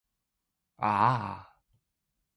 乙型肝炎